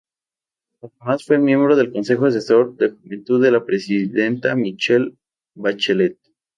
Además fue miembro del Consejo Asesor de Juventud de la Presidenta Michelle Bachelet.